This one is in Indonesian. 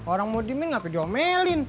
orang mau diimin gak pediomelin